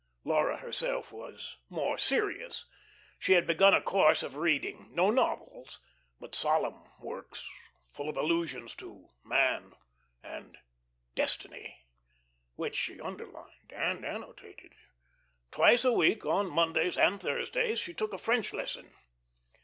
Laura herself was more serious. She had begun a course of reading; no novels, but solemn works full of allusions to "Man" and "Destiny," which she underlined and annotated. Twice a week on Mondays and Thursdays she took a French lesson.